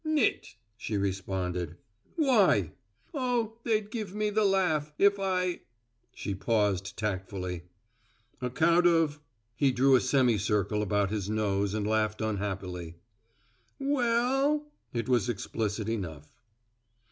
"Nit," she responded. "Why?" "Oh, they'd give me the laugh, if I " She paused tactfully. "Account of ," he drew a semi circle about his nose and laughed unhappily. "We ell." It was explicit enough.